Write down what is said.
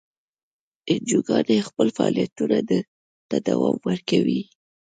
انجیوګانې خپلو فعالیتونو ته دوام ورکوي.